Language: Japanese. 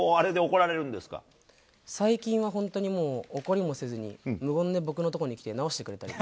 最近は本当にもう、怒りもせずに、無言で僕のとこに来て、直してくれたり。